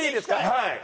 はい。